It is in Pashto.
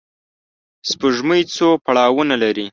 سپوږمۍ څو پړاوونه لري